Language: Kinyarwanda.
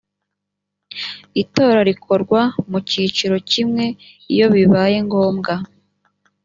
itora rikorwa mu cyiciro kimwe iyo bibaye ngombwa